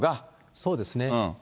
そうですね。